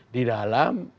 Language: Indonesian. di dalam mengolah